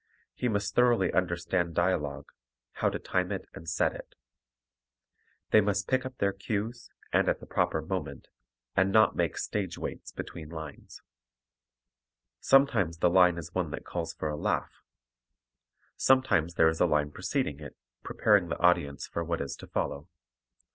He must thoroughly understand dialogue, how to time it and set it. They must pick up their cues, and at the proper moment, and not make "stage waits" between lines. Sometimes the line is one that calls for a laugh. Sometimes there is a line preceding it, preparing the audience for what is to follow.